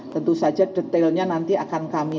tentu saja detailnya nanti akan kami